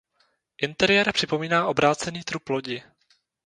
Interiér připomíná obrácený trup lodi.